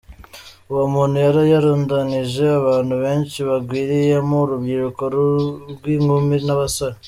Uwo muntu yari yarundanije abantu benshi bagwiriyemo urubyiruko rw’inkumi n’abasore.